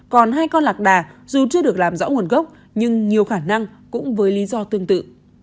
còn hai con lạc đà dù chưa được làm rõ nguồn gốc nhưng nhiều khả năng cũng với lý do tương tự